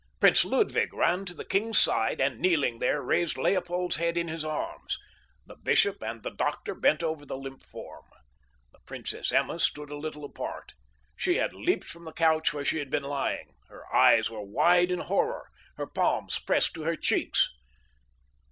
Prince Ludwig ran to the king's side and, kneeling there, raised Leopold's head in his arms. The bishop and the doctor bent over the limp form. The Princess Emma stood a little apart. She had leaped from the couch where she had been lying. Her eyes were wide in horror. Her palms pressed to her cheeks.